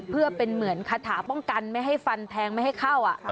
เพื่อเป็นเหมือนคาถาป้องกันไม่ให้ฟันแทงไม่ให้เข้า